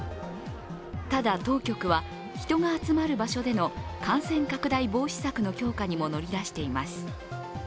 ただ、当局は人が集まる場所での感染拡大防止策の強化にも乗り出しています。